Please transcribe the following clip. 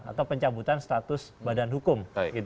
atau pencabutan status badan hukum